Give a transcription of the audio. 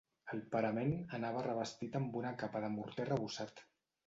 El parament anava revestit amb una capa de morter arrebossat.